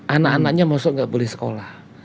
anak anaknya masuk nggak boleh sekolah